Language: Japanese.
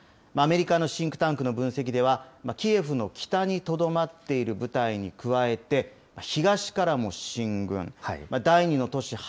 アメリカのシンクタンクの分析では、キエフの北にとどまっている部隊に加えて、東からも進軍、第２の都市